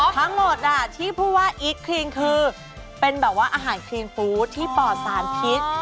ทั้งหมดที่พูดว่าอีคครีนคือเป็นแบบว่าอาหารครีนฟู้ดที่ปลอดสารพิษ